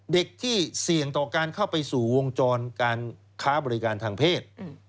เด็กที่เสี่ยงต่อการเข้าไปสู่วงจรการค้าบริการทางเพศ